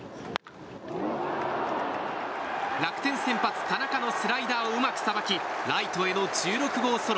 楽天先発、田中のスライダーをうまくさばきライトへの１６号ソロ。